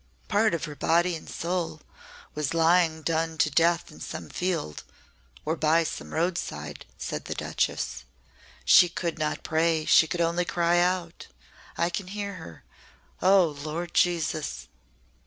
'" "Part of her body and soul was lying done to death in some field or by some roadside," said the Duchess. "She could not pray she could only cry out. I can hear her, 'Oh, Lord Jesus!'"